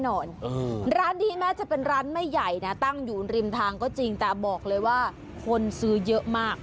ร้านนี้แม้จะเป็นร้านไม่ใหญ่นะตั้งอยู่ริมทางก็จริงแต่บอกเลยว่าคนซื้อเยอะมาก